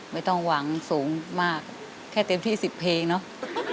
ไม่ต้องหวังสูงมากแค่เต็มที่๑๐เพลงเนาะ